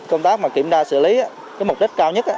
công tác mà kiểm tra xử lý cái mục đích cao nhất